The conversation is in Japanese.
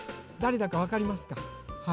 だれだかわかりますか？